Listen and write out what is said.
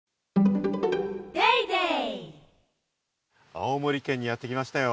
青森県にやってきましたよ。